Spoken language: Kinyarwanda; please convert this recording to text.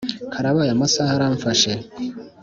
Karabaye amasaha aramfashe